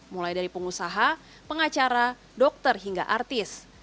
mulai dari pengusaha pengacara dokter hingga artis